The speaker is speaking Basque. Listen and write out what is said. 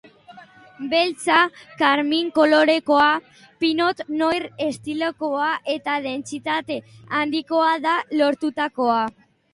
Beltza, karmin kolorekoa, pinot noir estilokoa eta dentsitate handikoa da lortutakoa.